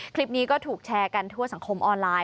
คลิปนี้ก็ถูกแชร์กันทั่วสังคมออนไลน